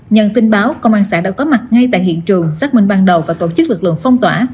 nhận tin báo công an xã đã có mặt ngay tại hiện trường xác minh ban đầu và tổ chức lực lượng phong tỏa